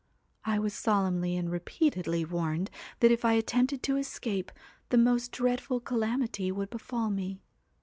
I was solemnly and WHITE repeatedly warned that if I attempted to escape, CAT the most dreadful calamity would befall me.